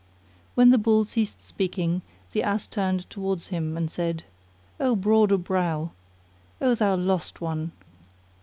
When the Bull ceased speaking, the Ass turned towards him and said, "O Broad o' Brow,[FN#26] O thou lost one!